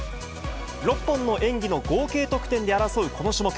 ６本の演技の合計得点で争う、この種目。